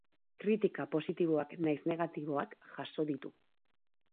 Kritika positiboak nahiz negatiboak jaso ditu.